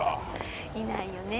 いないよねぇ。